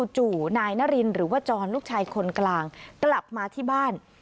จู่นายนารินหรือว่าจรลูกชายคนกลางกลับมาที่บ้าน